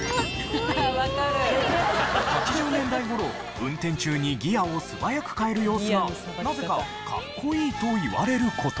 ８０年代頃運転中にギアを素早く変える様子がなぜかかっこいいと言われる事も。